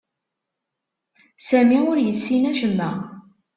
Sami ur yessin acemma.